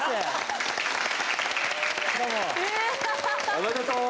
おめでとう！